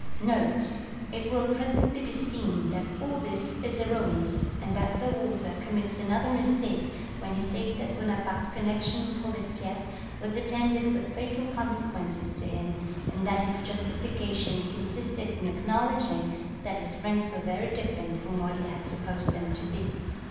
[It will presently be seen that all this is erroneous, and that Sir Walter commits another mistake when he says that Bonaparte's connection with Robespierre was attended with fatal consequences to him, and that his justification consisted in acknowledging that his friends were very different from what he had supposed them to be.